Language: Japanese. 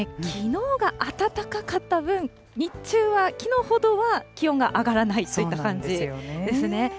きのうが暖かかった分、日中はきのうほどは気温が上がらないといった感じですね。